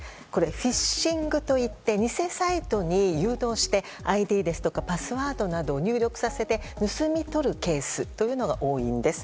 フィッシングといって偽サイトに誘導してＩＤですとかパスワードなどを入力させて盗み取るケースというのが多いんです。